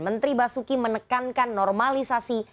menteri basuki menekankan normalisasi